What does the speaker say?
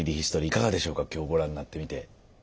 いかがでしょうか今日ご覧になってみて。